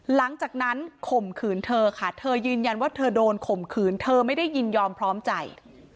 หลังจากนั้นข่มขืนเธอค่ะเธอยืนยันว่าเธอโดนข่มขืนเธอไม่ได้ยินยอมพร้อมใจ